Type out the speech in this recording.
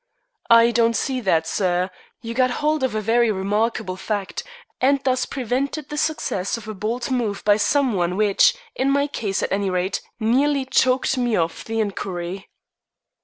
"I don't see that, sir. You got hold of a very remarkable fact, and thus prevented the success of a bold move by some one which, in my case at any rate, nearly choked me off the inquiry."